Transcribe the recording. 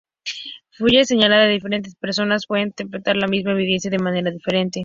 Fuller señala que diferentes personas pueden interpretar la misma evidencia de manera diferente.